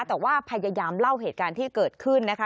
แต่ว่าพยายามเล่าเหตุการณ์ที่เกิดขึ้นนะคะ